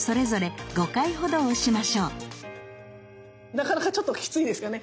なかなかちょっときついですかね。